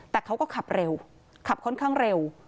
แต่เขาก็ขับเร็วขับค่อนข้างเร็ว